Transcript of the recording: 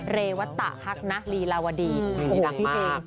เรวัตะภักดิ์ณลีลาวาดีโอ้โหพี่จริง